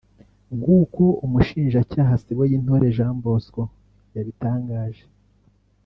nkuko Umushinjacyaha Siboyintore Jean Bosco yabitangaje